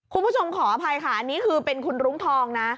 คุณผู้ชมขออภัยค่ะอันนี้คือเป็นคุณรุ้งทองนะ